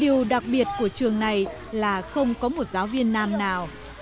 điều đặc biệt của trường này là không có một giáo viên nam nào